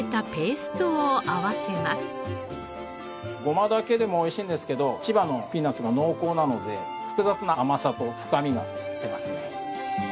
ごまだけでもおいしいんですけど千葉のピーナッツが濃厚なので複雑な甘さと深みが出ますね。